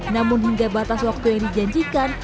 namun hingga batas waktu yang dijanjikan